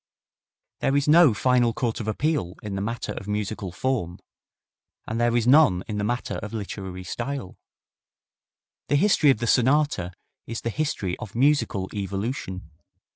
There is no final court of appeal in the matter of musical form, and there is none in the matter of literary style. The history of the sonata is the history of musical evolution.